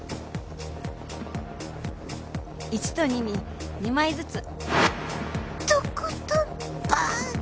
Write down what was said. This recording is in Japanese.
１と２に２枚ずつ。